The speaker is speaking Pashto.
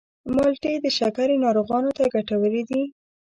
مالټې د شکرې ناروغانو ته ګټورې دي.